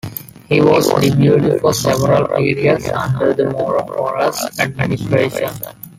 He was deputy for several periods under the Mora Porras administration.